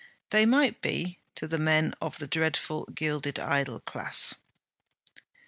They might be, to the men of the dreadful gilded idle class!